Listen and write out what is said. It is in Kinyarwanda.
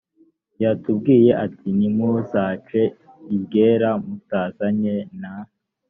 yatubwiye ati ntimuzance iryera mutazanye na